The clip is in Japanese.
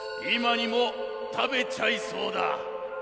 いまにもたべちゃいそうだ。